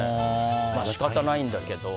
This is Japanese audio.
仕方ないんだけど。